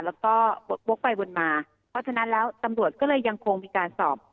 แล้วก็วกไปวนมาเพราะฉะนั้นแล้วตำรวจก็เลยยังคงมีการสอบ